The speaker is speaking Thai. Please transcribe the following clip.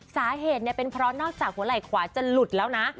สาเหตุเป็นเพราะนอกจากหัวไหล่ขวาจะหลุดแล้วนะ